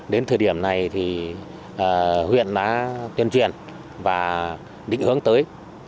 đến thời điểm này thì huyện đã tuyên truyền và định hướng tới